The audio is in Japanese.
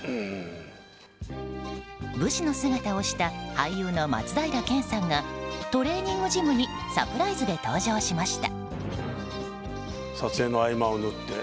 武士の姿をした俳優の松平健さんがトレーニングジムにサプライズで登場しました。